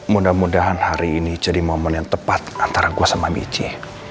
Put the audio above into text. mudah mudahan hari ini jadi momen yang tepat antara gua sama micha